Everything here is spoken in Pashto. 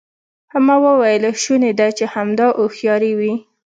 ما وویل شونې ده چې همدا هوښیاري وي.